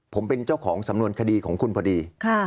ผมเป็นเจ้าของสำนวนคดีของคุณพอดี